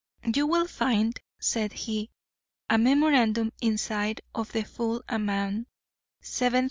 'You will find,' said he, 'a memorandum inside of the full amount, $7758.